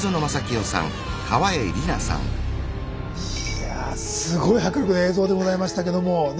いやぁすごい迫力の映像でございましたけどもね。